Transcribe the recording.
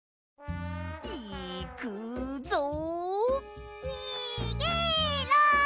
いくぞ！にげろ！